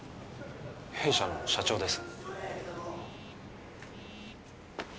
弊社の社長です